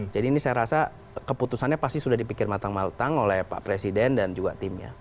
jadi ini saya rasa keputusannya pasti sudah dipikir matang matang oleh pak presiden dan juga timnya